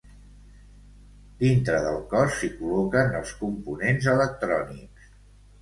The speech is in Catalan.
Dintre del cos s'hi col·loquen els components electrònics.